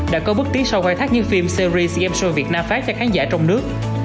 đã có bước tiến sau hoài thác những phim series gameshow việt nam phát cho khán giả trong nước